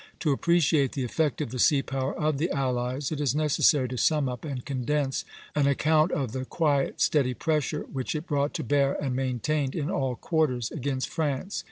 To appreciate the effect of the sea power of the allies, it is necessary to sum up and condense an account of the quiet, steady pressure which it brought to bear and maintained in all quarters against France.